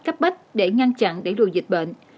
cấp bách để ngăn chặn để lùi dịch bệnh